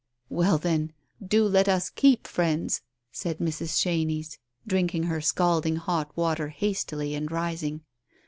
"Well, then, do let us keep friends," said Mrs. Chenies, drinking her scalding hot water hastily and rising.